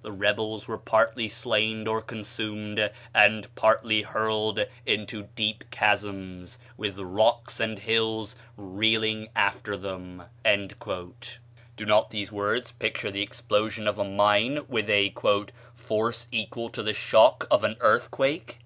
The rebels were partly slain or consumed, and partly hurled into deep chasms, with rocks and hills reeling after them." Do not these words picture the explosion of a mine with a "force equal to the shock of an earthquake?"